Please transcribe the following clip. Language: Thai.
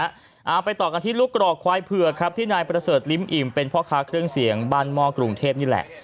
เอาไปต่อกันที่ลูกกรอกควายเผือกครับที่นายประเสริฐลิ้มอิ่มเป็นพ่อค้าเครื่องเสียงบ้านหม้อกรุงเทพนี่แหละ